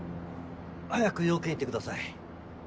早く用件言ってください。